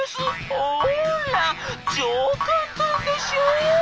ほら超簡単でしょ？」。